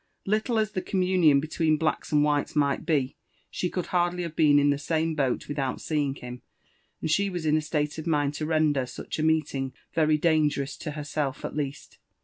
Little ai the communion between blacks and whites might be, she could hardly have been in the same boat without seeing him, and she was in a state of mind to render such a meeting very dangerous to herself at least.